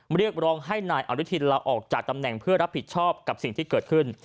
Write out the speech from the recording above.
เรียกร้องให้นายอนุทินลาออกจากตำแหน่งเพื่อรับผิดชอบกับสิ่งที่เกิดขึ้น